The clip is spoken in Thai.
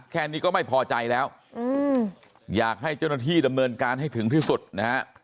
แค่นี้ก็ไม่พอใจแล้วอยากให้เจ้าหน้าที่ดำเนินการให้ถึงที่สุดนะฮะ